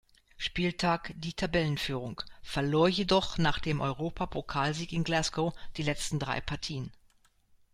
Spieltag die Tabellenführung, verlor jedoch nach dem Europapokalsieg in Glasgow die letzten drei Partien.